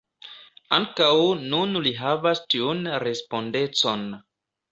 Ankaŭ nun li havas tiun respondecon.